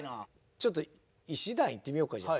ちょっと医師団いってみようかじゃあ。